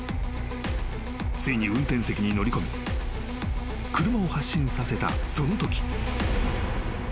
［ついに運転席に乗り込み車を発進させたそのとき］